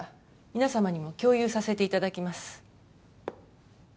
皆様にも共有させていただきます